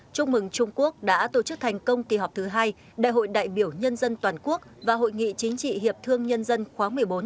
chúc mừng trung quốc đã tổ chức thành công kỳ họp thứ hai đại hội đại biểu nhân dân toàn quốc và hội nghị chính trị hiệp thương nhân dân khóa một mươi bốn